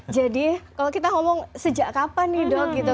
jadi kalau kita ngomong sejak kapan nih dok gitu